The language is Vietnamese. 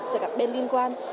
giữa các bên liên quan